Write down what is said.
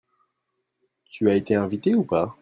Tu as été invité ou pas ?